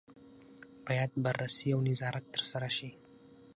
باید بررسي او نظارت ترسره شي.